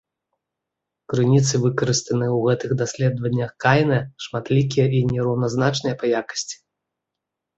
Крыніцы, выкарыстаныя ў гэтых даследаваннях кайнэ, шматлікія і нераўназначныя па якасці.